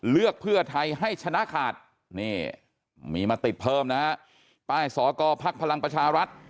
เลือกเพื่อไทยให้ชนะขาดนี่มีมาติดเพิ่มนะฮะป้ายสอกรภักดิ์พลังประชารัฐ